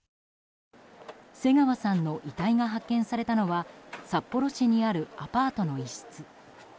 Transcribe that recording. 瀬川さんの遺体が発見されたのは札幌市にあるアパートの一室。